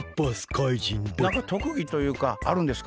なんかとくぎというかあるんですか？